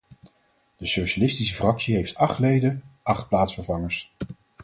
De socialistische fractie heeft acht leden, acht plaatsvervangers.